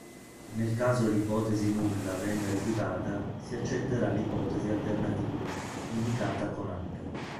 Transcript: Nel caso l'ipotesi nulla venga rifiutata si accetterà l'ipotesi alternativa, indicata con "H".